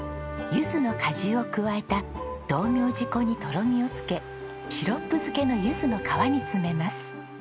ゆずの果汁を加えた道明寺粉にとろみをつけシロップ漬けのゆずの皮に詰めます。